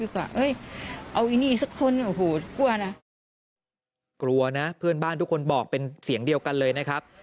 กลัวนะกลัวนะเพื่อนบ้านทุกคนบอกเป็นเสียงเดียวกันเลยนะครับ